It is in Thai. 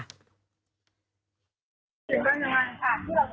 เปิดออกไปยังค่ะ